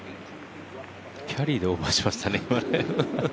キャリーでオーバーしましたね、今。